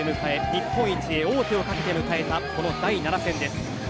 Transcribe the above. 日本一へ王手をかけたこの第７戦です。